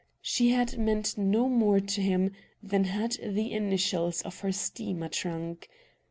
She had meant no more to him than had the initials on her steamer trunk.